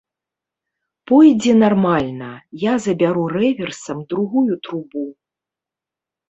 Пойдзе нармальна, я забяру рэверсам другую трубу.